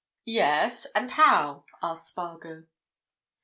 "Yes—and how?" asked Spargo.